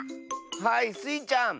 はいスイちゃん。